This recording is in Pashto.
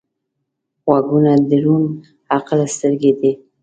غوږونه د روڼ عقل سترګې دي